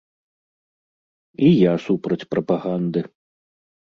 І я супраць прапаганды.